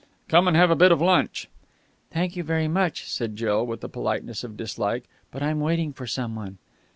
"Come and have a bit of lunch." "Thank you very much," said Jill, with the politeness of dislike, "but I'm waiting for someone."